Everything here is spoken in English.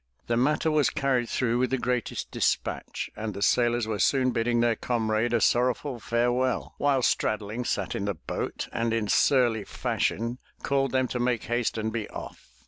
The matter was carried through with the greatest dispatch and the sailors were soon bidding their comrade a sorrowful farewell, while Straddling sat in the boat and in surly fashion called them to make haste and be off.